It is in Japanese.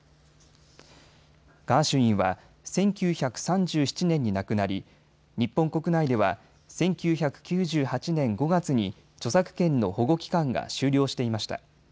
ガーシュウィンは１９３７年に亡くなり日本国内では１９９８年５月に著作権の保護期間が終了していました。